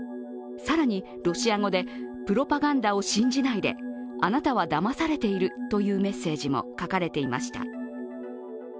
更にロシア語でプロパガンダを信じないであなたはだまされているというメッセージも書かれていました。